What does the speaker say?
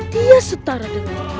dia setara dengan